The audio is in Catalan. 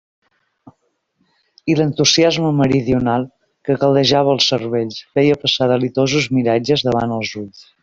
I l'entusiasme meridional, que caldejava els cervells, feia passar delitosos miratges davant els ulls.